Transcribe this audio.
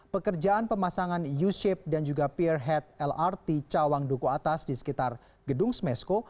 pekerjaan pemasangan u shape dan juga peer head lrt cawang duku atas di sekitar gedung smesco